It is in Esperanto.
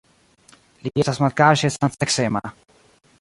Li estas malkaŝe samseksema.